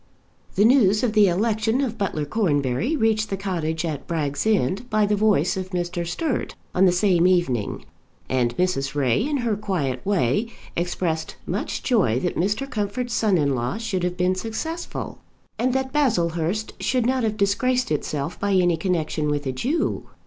The news of the election of Butler Cornbury reached the cottage at Bragg's End by the voice of Mr. Sturt on the same evening; and Mrs. Ray, in her quiet way, expressed much joy that Mr. Comfort's son in law should have been successful, and that Baslehurst should not have disgraced itself by any connexion with a Jew.